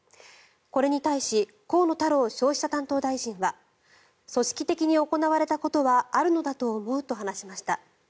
これに対し河野太郎消費者担当大臣は組織的に行われたことはあるのだと思うと話しました。